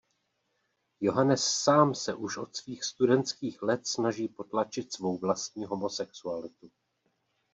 Johannes sám se už od svých studentských let snaží potlačit svou vlastní homosexualitu.